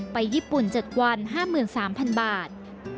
ญี่ปุ่น๗วัน๕๓๐๐๐บาท